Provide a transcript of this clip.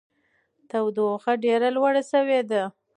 تودوخه ډېره لوړه شوې ده.